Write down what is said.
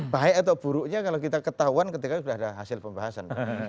baik atau buruknya kalau kita ketahuan ketika sudah ada hasil pembahasan